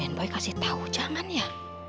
and boy kasih tahu jangan ya